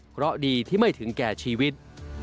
เพราะดีที่ไม่ถึงแก่ชีวิต